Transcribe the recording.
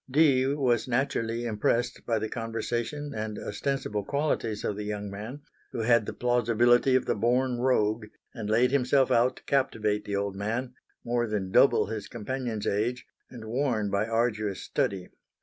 Dee was naturally impressed by the conversation and ostensible qualities of the young man, who had the plausibility of the born rogue and laid himself out to captivate the old man, more than double his companion's age and worn by arduous study.